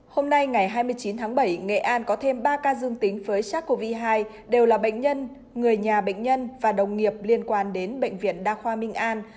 hôm nay ngày hai mươi chín tháng bảy nghệ an có thêm ba ca dương tính với sars cov hai đều là bệnh nhân người nhà bệnh nhân và đồng nghiệp liên quan đến bệnh viện đa khoa minh an